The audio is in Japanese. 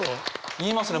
言いますね